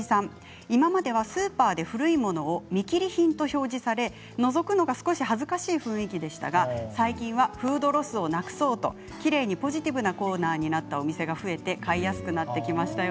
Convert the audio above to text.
今まではスーパーで古いものを見切り品と表示されたのをのぞくのは恥ずかしい感じでしたが最近はフードロスをなくそうときれいにポジティブになったコーナーのお店が増えて買いやすくなりました。